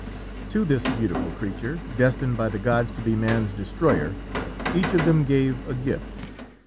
To this beautiful creature, destined by the gods to be man's destroyer, each of them gave a gift.